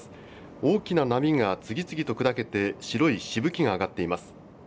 大きな波が次々と砕けて白いしぶきが上がっています。